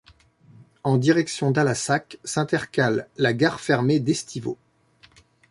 En direction d'Allassac, s'intercale la gare fermée d'Estivaux.